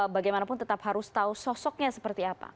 bagaimanapun tetap harus tahu sosoknya seperti apa